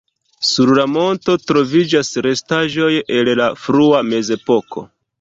Sur la monto troviĝas restaĵoj el la frua mezepoko.